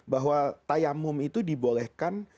bahwa tayammum itu dibolehkan